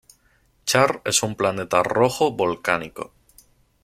Char es un planeta rojo volcánico.